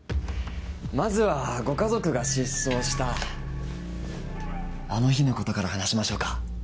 まずはご家族が失踪したあの日のことから話しましょうか。